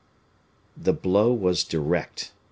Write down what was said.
The blow was direct.